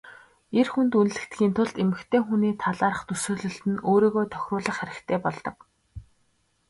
Эр хүнд үнэлэгдэхийн тулд эмэгтэй хүний талаарх төсөөлөлд нь өөрийгөө тохируулах хэрэгтэй болдог.